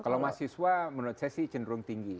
kalau mahasiswa menurut saya sih cenderung tinggi